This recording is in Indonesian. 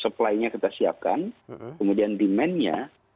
supply nya kita siapkan kemudian demand nya